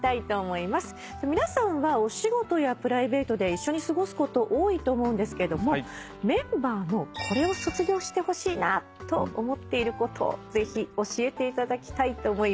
皆さんはお仕事やプライベートで一緒に過ごすこと多いと思うんですけどもメンバーのこれを卒業してほしいなと思っていることをぜひ教えていただきたいと思います。